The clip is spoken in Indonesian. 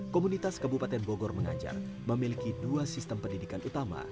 komunitas kbmi mengajar memiliki dua sistem pendidikan utama